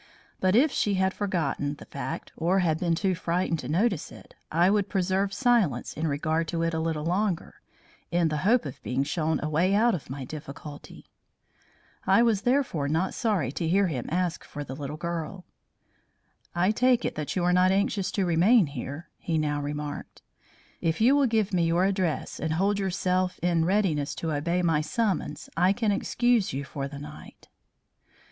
But if she had forgotten the fact or had been too frightened to notice it, I would preserve silence in regard to it a little longer, in the hope of being shown a way out of my difficulty. I was therefore not sorry to hear him ask for the little girl. "I take it that you are not anxious to remain here," he now remarked. "If you will give me your address and hold yourself in readiness to obey my summons, I can excuse you for the night."